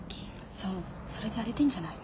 そうそれで荒れてんじゃないの？